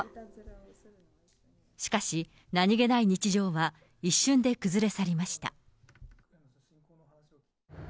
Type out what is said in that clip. しかし、何気ない日常は一瞬で崩れ去りました。